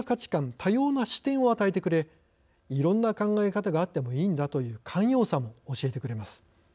多様な視点を与えてくれいろんな考え方があってもいいんだという寛容さも教えてくれます。